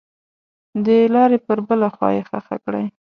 دلارې پر بله خوا یې ښخه کړئ.